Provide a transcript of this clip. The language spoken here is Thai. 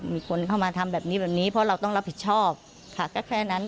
มีคนเข้ามาทำแบบนี้แบบนี้เพราะเราต้องรับผิดชอบค่ะก็แค่นั้น